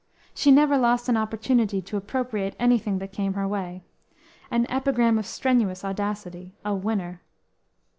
She never lost an opportunity to appropriate anything that came her way. An epigram of strenuous audacity. A winner!